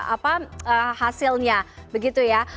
apa hasilnya begitu ya